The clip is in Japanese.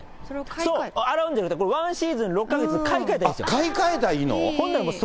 そう、これ、洗うんじゃなくて、１シーズン６か月で買い換えたらいいんです。